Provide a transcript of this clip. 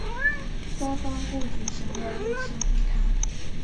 双方共举行了六次会谈。